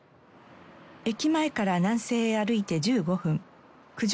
駅前から南西へ歩いて１５分九条